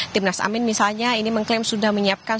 timnas amin misalnya ini mengklaim sudah menyiapkan